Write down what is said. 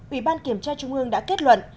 ubkt trung ương đã kết luận